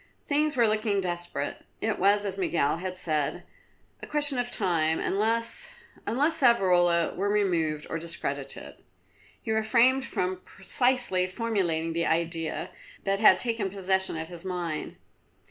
Things were looking desperate. It was, as Miguel had said, a question of time, unless, unless Savrola were removed or discredited. He refrained from precisely formulating the idea that had taken possession of his mind.